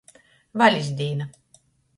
Valis dīna.